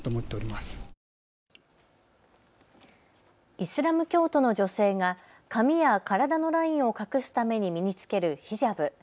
イスラム教徒の女性が髪や体のラインを隠すために身に着けるヒジャブ。